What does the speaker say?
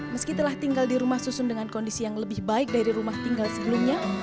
meski telah tinggal di rumah susun dengan kondisi yang lebih baik dari rumah tinggal sebelumnya